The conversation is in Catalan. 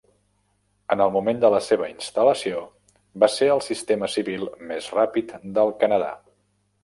En el moment de la seva instal·lació, va ser el sistema civil més ràpid del Canadà.